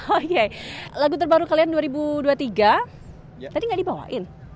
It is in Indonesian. oh iya lagu terbaru kalian dua ribu dua puluh tiga tadi gak dibawain